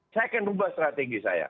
saya akan ubah strategi saya